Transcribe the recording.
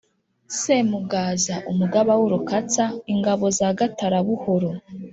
Semugaza umugaba w’ Urukatsa (ingabo za Gatarabuhura)